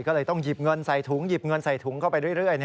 ก็เลยต้องหยิบเงินใส่ถุงหยิบเงินใส่ถุงเข้าไปเรื่อย